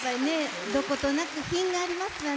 どことなく品がありますわね。